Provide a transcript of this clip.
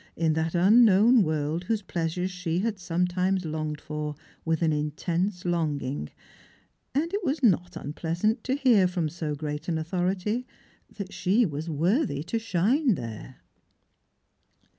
in that unl^nown world whose pleasures she had sometimes longed for with an intense longing, and it was not unpleasant to hear from so great an authority that she was worthy to shine there.